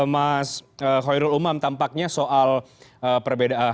mas khoirul umam tampaknya soal perbedaan